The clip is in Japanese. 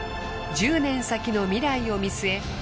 １０年先の未来を見据え